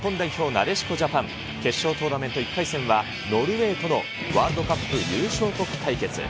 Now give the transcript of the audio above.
なでしこジャパン、決勝トーナメント１回戦はノルウェーとのワールドカップ優勝国対決。